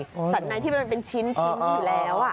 สัตว์ในที่มันเป็นชิ้นอยู่แล้ว